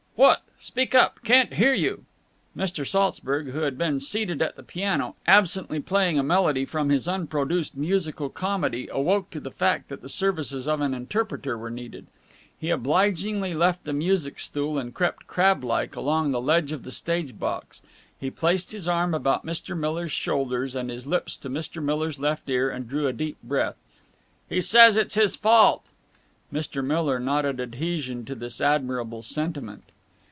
"What? Speak up, can't you?" Mr. Saltzburg, who had been seated at the piano, absently playing a melody from his unproduced musical comedy, awoke to the fact that the services of an interpreter were needed. He obligingly left the music stool and crept, crab like, along the ledge of the stage box. He placed his arm about Mr. Miller's shoulders and his lips to Mr. Miller's left ear, and drew a deep breath. "He says it is his fault!" Mr. Miller nodded adhesion to this admirable sentiment.